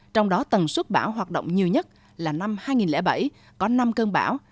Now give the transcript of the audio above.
trong đó tần suất bão hoạt động nhiều nhất là năm hai nghìn bảy có năm cơn bão